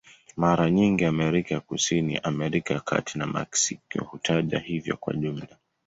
Mara nyingi Amerika ya Kusini, Amerika ya Kati na Meksiko hutajwa hivyo kwa jumla.